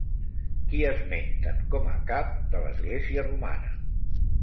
Qui esmenten com a cap de l'església romana?